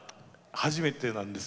初めてなんです。